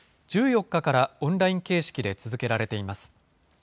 １４日からオンライン形式で続けられています。